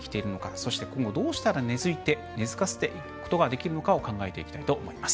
そして、今後どうしたら根づかせていくことができるのか考えていきたいと思います。